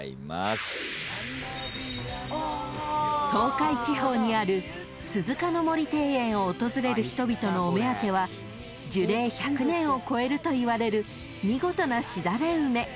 ［東海地方にある鈴鹿の森庭園を訪れる人々のお目当ては樹齢１００年を超えるといわれる見事なしだれ梅］